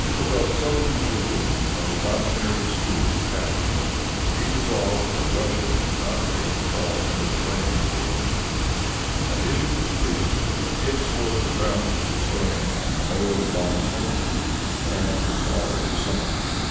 He had felt so humiliated by the domineering spirit of Catharine, that he resolved that Russia should not again fall under the reign of a woman, and issued a decree that henceforth the crown should descend in the male line only, and from father to son.